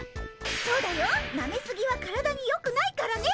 そうだよなめすぎは体によくないからね。